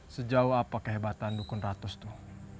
sejauh apa kehebatan dukun ratus tuh